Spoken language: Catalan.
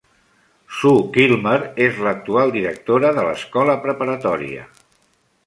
Sue Kilmer és l'actual directora de l'escola preparatòria.